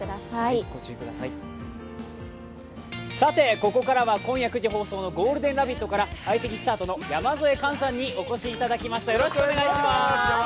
ここからは今夜９時放送の「ゴールデンラヴィット！」から相席スタートの山添寛さんにお越しいただきました。